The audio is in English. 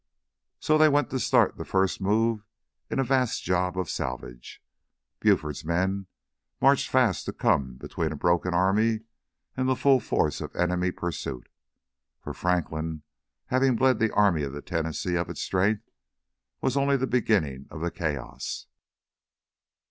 So they went to start the first move in a vast job of salvage. Buford's men marched fast to come between a broken army and the full force of enemy pursuit. For Franklin, having bled the Army of the Tennessee of its strength, was only the beginning of chaos.